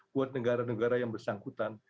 buat negara negara yang bersangkutan